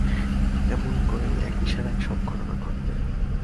এমনি করেই এক ইশারায় সব ঘটনা ঘটবে।